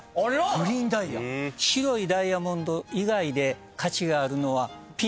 白いダイヤモンド以外で価値があるのは。